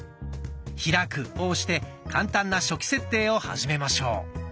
「開く」を押して簡単な初期設定を始めましょう。